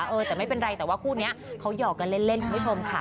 เออแต่ไม่เป็นไรแต่ว่าคู่นี้เขาหยอกกันเล่นคุณผู้ชมค่ะ